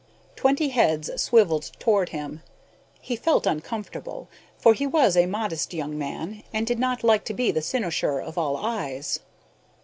Twenty heads swiveled toward him. He felt uncomfortable, for he was a modest young man and did not like to be the cynosure of all eyes.